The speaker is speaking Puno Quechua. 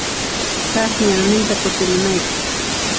Kaq ñanninta kutimunayki.